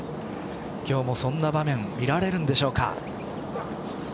今日もその場面見られるんでしょうか。